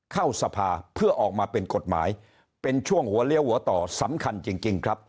เข้าสภาเพื่อออกมาเป็นกฎหมายเป็นช่วงหัวเลี้ยวหัวต่อสำคัญจริงครับ